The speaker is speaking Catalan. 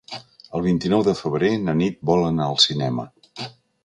El vint-i-nou de febrer na Nit vol anar al cinema.